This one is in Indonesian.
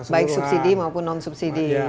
baik subsidi maupun non subsidi